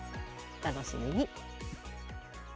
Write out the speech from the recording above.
お楽しみに。